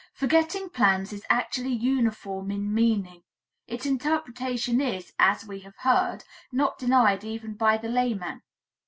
Forgetting plans is actually uniform in meaning; its interpretation is, as we have heard, not denied even by the layman.